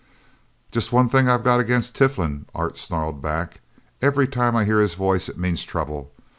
"Just one thing I've got against Tiflin!" Art snarled back. "Every time I hear his voice, it means trouble.